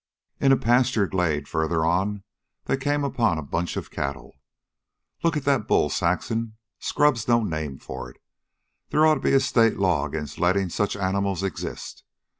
In a pasture glade, farther on, they came upon a bunch of cattle. "Look at that bull, Saxon. Scrub's no name for it. They oughta be a state law against lettin' such animals exist.